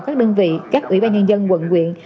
các đơn vị các ủy ban nhân dân quận quyện